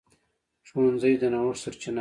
ښوونځی د نوښت سرچینه ده